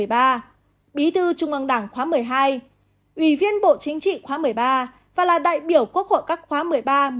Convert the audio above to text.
bí thư trung gương đảng khóa một mươi hai ủy viên bộ chính trị khóa một mươi ba và là đại biểu quốc hội các khóa một mươi ba một mươi bốn một mươi năm